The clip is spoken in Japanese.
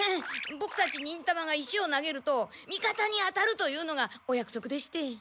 ボクたち忍たまが石を投げると味方に当たるというのがお約束でして。